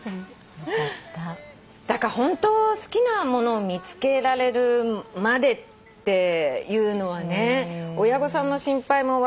だからホント好きなものを見つけられるまでっていうのは親御さんの心配も分かるけど。